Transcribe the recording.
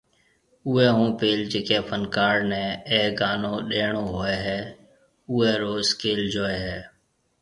اوئي ھونپيل جڪي فنڪار ني اي گانو ڏيڻو ھوئي ھيَََ اوئي رو اسڪيل جوئي ھيَََ